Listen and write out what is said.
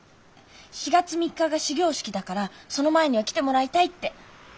「４月３日が始業式だからその前には来てもらいたい」って。